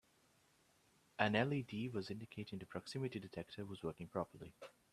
An LED was indicating the proximity detector was working properly.